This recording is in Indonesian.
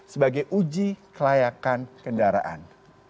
sebagai uji kelayakan kendaraan